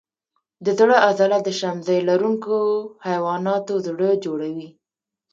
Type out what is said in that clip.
د زړه عضله د شمزۍ لرونکو حیواناتو زړه جوړوي.